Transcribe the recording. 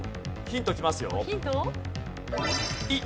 ヒントきますよ。